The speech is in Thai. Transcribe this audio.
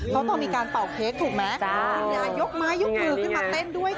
เขาต้องมีการเป่าเค้กถูกไหมคุณยายกไม้ยกมือขึ้นมาเต้นด้วยค่ะ